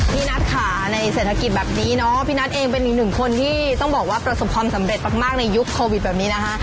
นัทค่ะในเศรษฐกิจแบบนี้เนาะพี่นัทเองเป็นอีกหนึ่งคนที่ต้องบอกว่าประสบความสำเร็จมากในยุคโควิดแบบนี้นะคะ